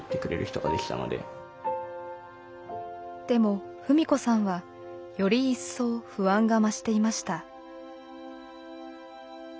でも史子さんはより一層不安が増していました。